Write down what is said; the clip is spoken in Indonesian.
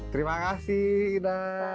terima kasih ina